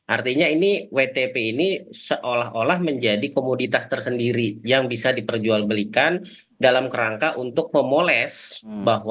artinya ini wtp ini seolah olah menjadi komoditas tersendiri yang bisa diperjualbelikan dalam kerangka untuk memoles bahwa